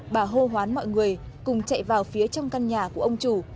bà hô hoán mọi người cùng chạy vào phía trong căn nhà của ông chủ